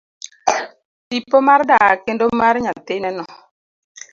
Tipo mar dak kendo mar nyathine no.